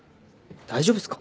大丈夫すか？